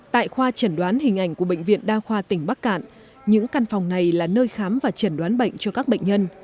tại khoa chẩn đoán hình ảnh của bệnh viện đa khoa tỉnh bắc cạn những căn phòng này là nơi khám và chẩn đoán bệnh cho các bệnh nhân